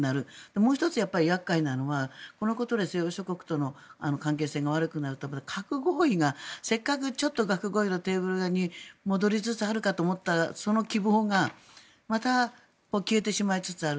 もう１つ、厄介なのはこのことで西欧諸国との関係性が悪くなると、核合意がせっかくちょっと核合意のテーブル側に戻りつつあるかと思ったその希望がまた消えてしまいつつある。